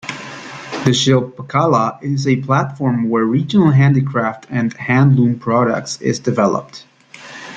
The Shilpkala is a platform where regional handicraft and hand-loom products is developed.